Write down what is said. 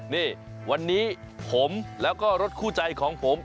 นี่วันนี้ผมแล้วก็รถคู่ใจของผม